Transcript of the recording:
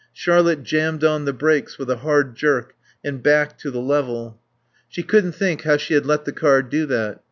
Charlotte jammed on the brakes with a hard jerk and backed to the level. She couldn't think how she had let the car do that.